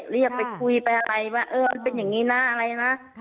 เรียกไปคุยไปอะไรว่าเออมันเป็นอย่างนี้นะอะไรนะ